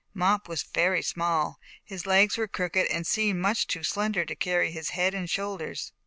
Mop was very small. His legs were crooked and seemed much too slender to carry his head and shoulders.